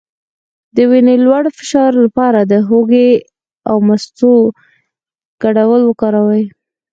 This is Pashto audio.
د وینې د لوړ فشار لپاره د هوږې او مستو ګډول وکاروئ